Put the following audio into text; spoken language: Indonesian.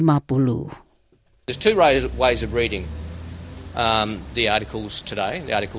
ada dua cara membaca artikel hari ini